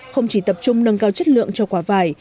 không chỉ tập trung nâng cao chất lượng cho quả vải